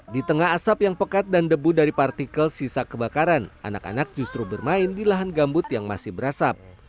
di tengah asap yang pekat dan debu dari partikel sisa kebakaran anak anak justru bermain di lahan gambut yang masih berasap